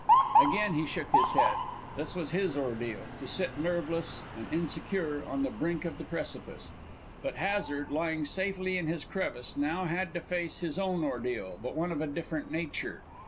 Again he shook his head. This was his ordeal, to sit, nerveless and insecure, on the brink of the precipice. But Hazard, lying safely in his crevice, now had to face his own ordeal, but one of a different nature.